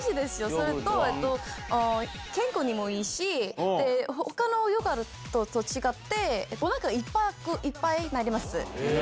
それと、健康にもいいし、ほかのヨーグルトと違って、おなかいっぱいになります。